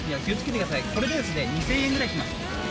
これでですね２０００円ぐらいします。